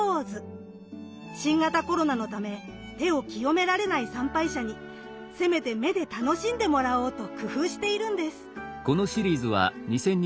新型コロナのため手を清められない参拝者にせめて目で楽しんでもらおうと工夫しているんです。